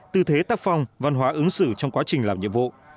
tư thế tác phong văn hóa ứng xử trong quá trình làm nhiệm vụ